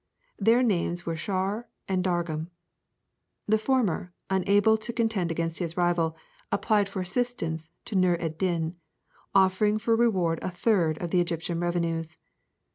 Their names were Shawer and Dargham. The former, unable to contend against his rival, applied for assistance to Nûr ed Din, offering for reward a third of the Egyptian revenues.